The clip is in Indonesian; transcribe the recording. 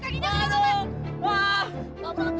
belom nyebarkannya nyanyi tanpa menunggu